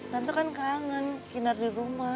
tante kan kangen kinar di rumah